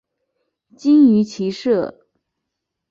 精于骑射。